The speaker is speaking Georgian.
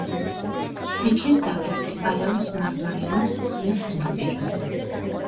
თექირდაღი მდებარეობს მარმარილოს ზღვის სანაპიროზე.